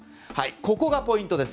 ここがポイントです。